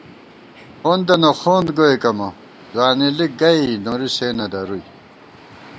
خوندَنہ خوند گوئیک امہ، ځوانېلِک گئ نوری سے نہ درُوئی